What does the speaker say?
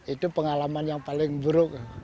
itu pengalaman yang paling buruk